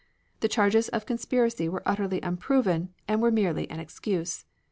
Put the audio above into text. The charges of conspiracy were utterly unproven, and were merely an excuse.